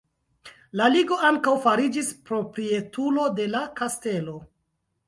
La ligo ankaŭ fariĝis proprietulo de la kastelo.